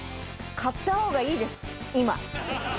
買った方がいいです今。